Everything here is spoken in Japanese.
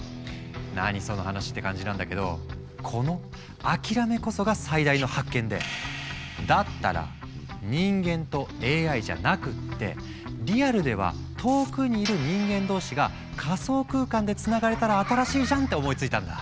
何その話？って感じなんだけどこの諦めこそが最大の発見でだったら人間とＡＩじゃなくってリアルでは遠くにいる人間同士が仮想空間でつながれたら新しいじゃんって思いついたんだ。